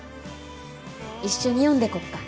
一緒に読んでこっか。